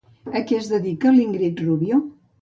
A què es dedica Íngrid Rubio?